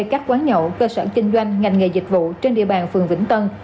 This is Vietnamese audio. các quán nhậu cơ sở kinh doanh ngành nghề dịch vụ trên địa bàn phường vĩnh tân